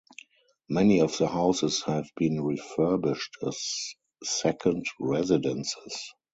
Many of the houses have been refurbished as second residences.